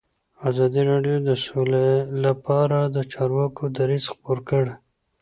ازادي راډیو د سوله لپاره د چارواکو دریځ خپور کړی.